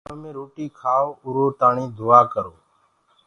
جرو گھرو مي روٽي کآئو اُرو لآ دُآآ ڪرو